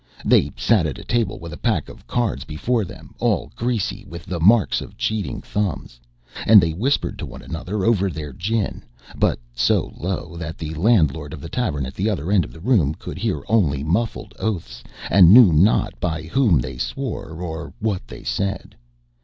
They sat at a table with a pack of cards before them, all greasy with the marks of cheating thumbs. And they whispered to one another over their gin, but so low that the landlord of the tavern at the other end of the room could hear only muffled oaths, and knew not by Whom they swore or what they said.